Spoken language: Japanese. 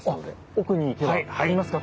奥に行けばありますか？